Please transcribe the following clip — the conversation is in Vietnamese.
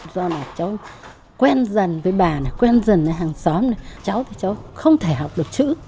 do là cháu quen dần với bà này quen dần với hàng xóm cháu với cháu không thể học được chữ